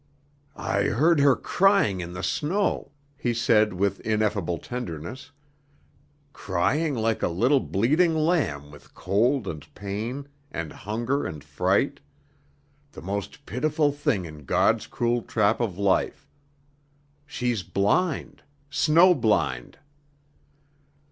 "I heard her crying in the snow," he said with ineffable tenderness; "crying like a little bleating lamb with cold and pain and hunger and fright the most pitiful thing in God's cruel trap of life. She's blind snow blind."